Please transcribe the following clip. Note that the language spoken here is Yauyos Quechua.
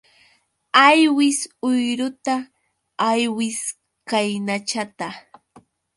Aywis uyruta aywis kaynachata.